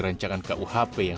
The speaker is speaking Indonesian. nggak ada ya